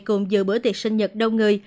cùng dự buổi tiệc sinh nhật đông người